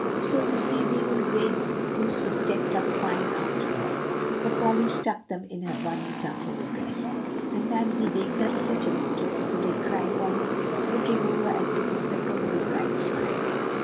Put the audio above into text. So, you see, the old gray goose was decked up fine after all; for Polly stuck them in her bony, tough old breast." "And Mamsie baked us such a beautiful pudding," cried Polly, looking over at Mrs. Pepper with a bright smile.